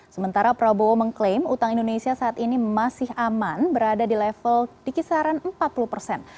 sementara prabowo mengklaim utang indonesia saat ini masih aman berada di level di kisaran empat puluh persen